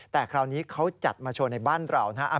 แต่คราวนี้เขาจัดมาโชว์ในบ้านเรานะฮะ